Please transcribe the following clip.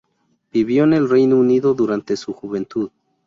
Vivió en el Reino Unido durante su juventud.